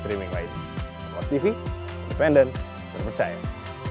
dipimpin oleh mayor iskandri nur wahid sip